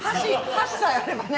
箸さえあればね。